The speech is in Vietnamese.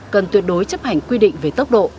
cần tuyệt đối chấp hành quy định về tốc độ